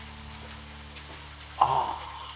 ああ。